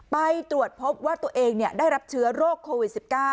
ไปตรวจพบว่าตัวเองได้รับเชื้อโรคโควิด๑๙